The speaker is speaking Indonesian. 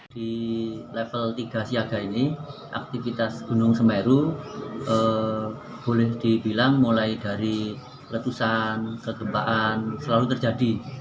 di level tiga siaga ini aktivitas gunung semeru boleh dibilang mulai dari letusan kegempaan selalu terjadi